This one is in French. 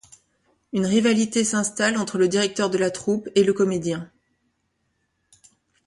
Une rivalité s'installe entre le directeur de la troupe et le comédien.